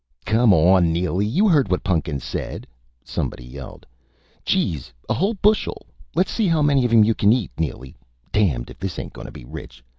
"Come on, Neely! You heard what Pun'kins said," somebody yelled. "Jeez a whole bushel. Let's see how many you can eat, Neely.... Damned if this ain't gonna be rich!